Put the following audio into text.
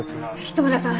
糸村さん